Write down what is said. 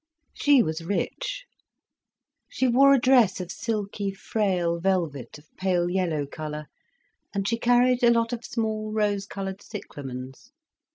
She was rich. She wore a dress of silky, frail velvet, of pale yellow colour, and she carried a lot of small rose coloured cyclamens.